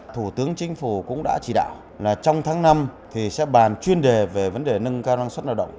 thủ tướng chính phủ cũng đã chỉ đạo là trong tháng năm sẽ bàn chuyên đề về vấn đề nâng cao năng suất lao động